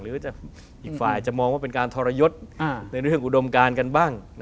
อีกฝ่ายจะมองว่าเป็นการทรยศในเรื่องอุดมการกันบ้าง